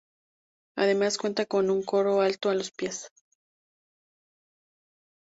Además cuenta con un coro alto a los pies.